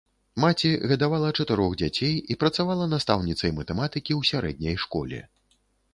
Маці гадавала чатырох дзяцей і працавала настаўніцай матэматыкі ў сярэдняй школе.